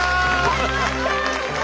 やった！